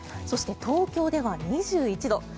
そして、東京では２１度。